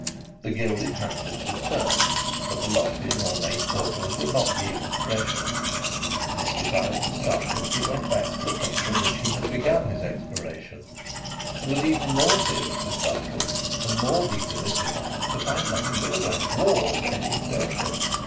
The gilded handles would turn, but the lofty and ornate portals would not yield to pressure. Mystified and startled, he went back to the place from which he had begun his explorations, and was even more seriously startled, and more deeply mystified to find nothing but a blank wall where he had entered.